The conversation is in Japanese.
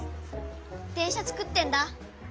でんしゃつくってんだ。